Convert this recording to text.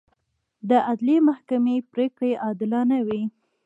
د عدلي محکمې پرېکړې عادلانه وي.